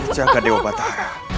jaga dewa batara